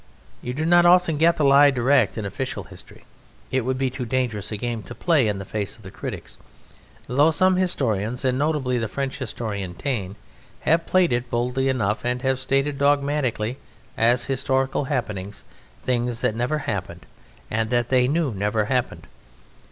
You do not often get the lie direct in official history; it would be too dangerous a game to play in the face of the critics, though some historians, and notably the French historian Taine, have played it boldly enough, and have stated dogmatically, as historical happenings, things that never happened and that they knew never happened.